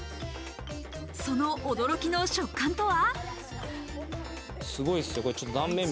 その驚きの食感とは？